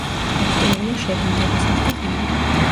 აქტიურია შებინდებისას და ღამით.